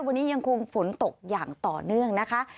วันนี้ยังคงฝนตกอย่างต่อเนื่องนะคะ